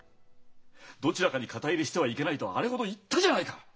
どちらかに肩入れしてはいけないとあれほど言ったじゃないか！